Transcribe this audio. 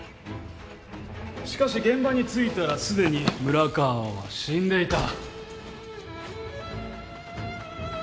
しかし現場に着いたらすでに村川は死んでいた。